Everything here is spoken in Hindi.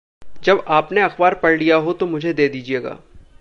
जब आपने अखबार पढ़ लिया हो तो मुझे दे दीजिएगा।